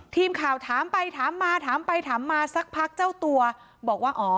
ทีมข่าวถามไปถามมาถามไปถามมาสักพักเจ้าตัวบอกว่าอ๋อ